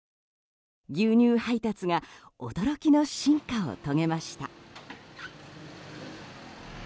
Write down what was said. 牛乳配達が驚きの進化を遂げました。